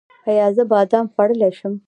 ایا زه بادام خوړلی شم؟